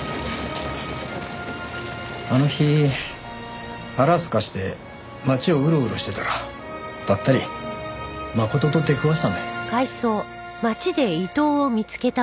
あの日腹すかして街をうろうろしてたらばったり真琴と出くわしたんです。